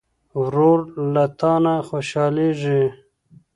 ورور له تا نه خوشحالېږي.